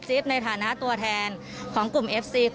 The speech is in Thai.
ในฐานะตัวแทนของกลุ่มเอฟซี